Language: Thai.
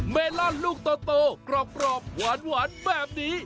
เมลอนลูกโตกรอบหวานแบบนี้